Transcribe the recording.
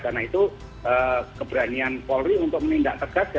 karena itu keberanian polri untuk menindak tegas